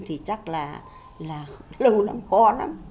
thì chắc là lâu lắm khó lắm